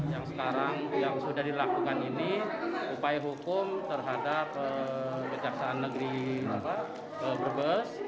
yang sekarang yang sudah dilakukan ini upaya hukum terhadap kejaksaan negeri brebes